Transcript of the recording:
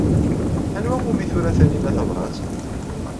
Anwa umi tura Taninna tabṛat?